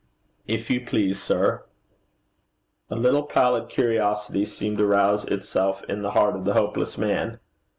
'If you please, sir.' A little pallid curiosity seemed to rouse itself in the heart of the hopeless man.